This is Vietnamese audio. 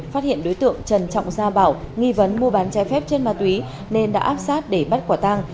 phát hiện đối tượng trần trọng gia bảo nghi vấn mua bán trái phép trên ma túy nên đã áp sát để bắt quả tăng